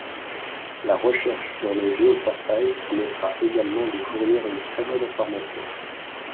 La recherche dans le géoportail permettra également de fournir une très bonne information.